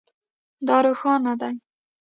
دا روښانه دی